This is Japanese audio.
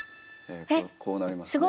こうなりますね。